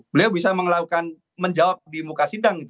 beliau bisa melakukan menjawab di muka sidang